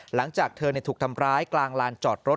หลังจากเธอถูกทำร้ายกลางลานจอดรถ